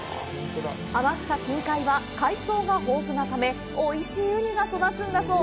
天草近海は海藻が豊富なためおいしいウニが育つんだそう。